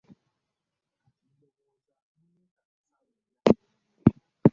Kati ndowooza munneekakasa mwenna.